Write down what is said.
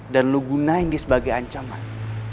dan lo gunain dia sebagai ancaman